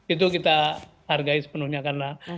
itu kita hargai sepenuhnya karena